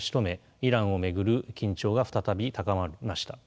イランを巡る緊張が再び高まりました。